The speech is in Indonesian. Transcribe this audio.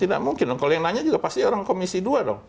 tidak mungkin dong kalau yang nanya juga pasti orang komisi dua dong